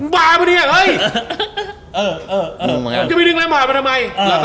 เบาหรือเกียรติ